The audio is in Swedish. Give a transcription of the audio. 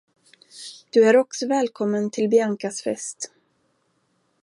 Du är också välkommen till Biancas fest.